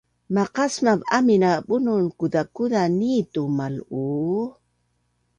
maqasmav amin a bunun kuzakuza nitu mal’uu